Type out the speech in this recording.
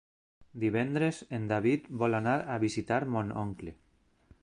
Divendres en David vol anar a visitar mon oncle.